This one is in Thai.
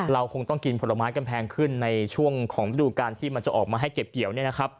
เราคงกินผลไม้แค่นแพงขึ้นในช่วงของวิธีโดยการที่มันจะออกมาให้เก็บเกี่ยว